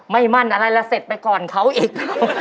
ไม่มั่นอะไรแล้วเสร็จไปก่อนเขาอีก